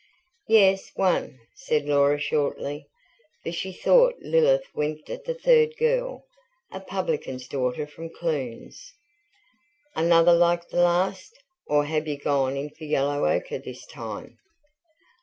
"Yes, one," said Laura shortly. For she thought Lilith winked at the third girl, a publican's daughter from Clunes. "Another like the last? Or have you gone in for yellow ochre this time?"